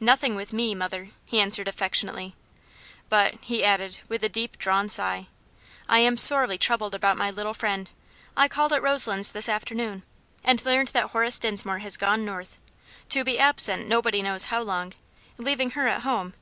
"Nothing with me mother," he answered affectionately; "but," he added, with a deep drawn sigh, "I am sorely troubled about my little friend. I called at Roselands this afternoon, and learned that Horace Dinsmore has gone North to be absent nobody knows how long leaving her at home.